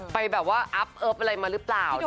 ไปแบบว่าอัพเอิปอะไรมาหรือเปล่านะคะ